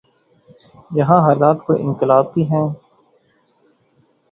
یہاں حالات کوئی انقلاب کے ہیں؟